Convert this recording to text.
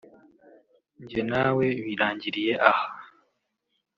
njye na we birangiriye aha